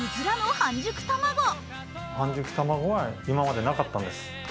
半熟卵は今までなかったんです。